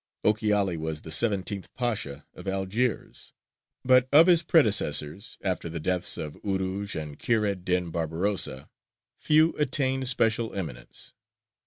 Ochiali was the seventeenth pasha of Algiers, but of his predecessors, after the deaths of Urūj and Kheyr ed dīn Barbarossa, few attained special eminence.